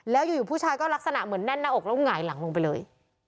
แล้วอยู่ผู้ชายก็ลักษณะเหมือนแน่นหน้าอกแล้วหงายหลังลงไปเลย